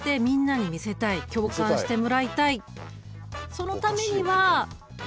そのためには？